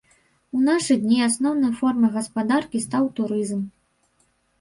У нашы дні асноўнай формай гаспадаркі стаў турызм.